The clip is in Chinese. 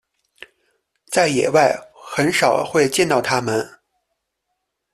在野外很少会见到它们。